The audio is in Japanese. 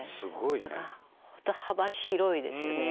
だから本当幅広いですよね